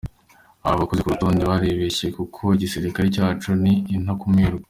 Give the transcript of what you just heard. Aba bakoze uru rutonde baribeshye kuko igisirikare cyacu ni intarumikwa.